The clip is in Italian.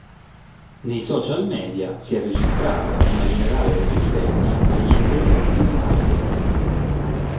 Nei social media si è registrata una generale resistenza agli interventi di marketing.